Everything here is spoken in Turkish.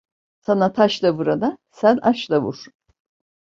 Sana taşla vurana sen aşla vur.